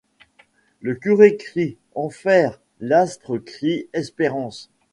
Le curé crie : enfer ! l’astre crie : espérance !